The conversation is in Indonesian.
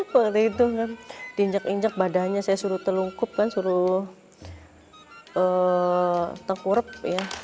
waktu itu kan di injak injak badannya saya suruh telungkup kan suruh takwurup ya